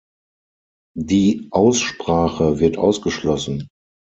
Die Aussprache wird ausgeschlossen.